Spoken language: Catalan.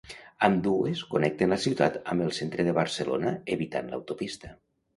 Ambdues connecten la ciutat amb el centre de Barcelona evitant l'autopista.